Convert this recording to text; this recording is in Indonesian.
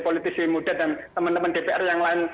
politisi muda dan teman teman dpr yang lain